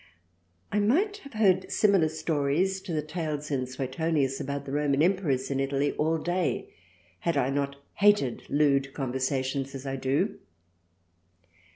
I might have heard similar stories (to the tales in Suetonius about the Roman Emperors) in Italy all THRALIANA 57 day, had I not hated lewd Conversations as I do.